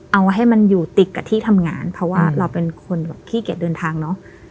เอาให้มันอยู่ติดกับที่ทำงานเพราะว่าเราเป็นคนแบบขี้เกียจเดินทางเนอะ